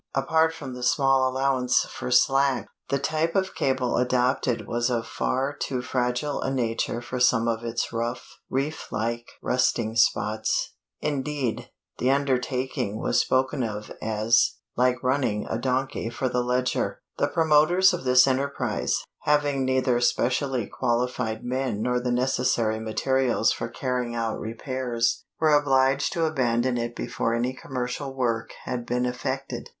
Apart from the small allowance for slack, the type of cable adopted was of far too fragile a nature for some of its rough, reef like resting spots; indeed, the undertaking was spoken of as "like running a donkey for the Leger"! The promoters of this enterprise, having neither specially qualified men nor the necessary materials for carrying out repairs, were obliged to abandon it before any commercial work had been effected.